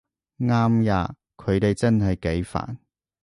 啱吖，佢哋真係幾煩